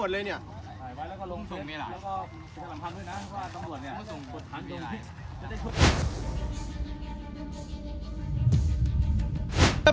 เปลี่ยนกดลองแกท่านได้ไอ